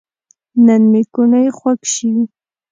نن مې کوڼۍ خوږ شي